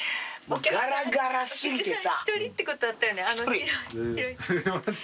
ガラガラすぎてさ。